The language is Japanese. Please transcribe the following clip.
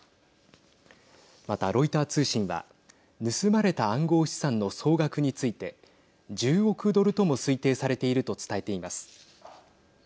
また、ロイター通信は盗まれた暗号資産の総額について１０億ドルとも推定されていると伝えています。